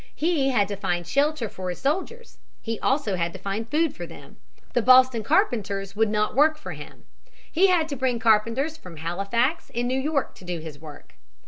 He had to find shelter for his soldiers. He also had to find food for them. The Boston carpenters would not work for him. He had to bring carpenters from Halifax and New York to do his work.